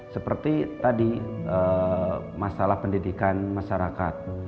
seperti tadi masalah pendidikan masyarakat